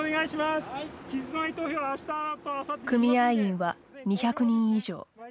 組合員は２００人以上。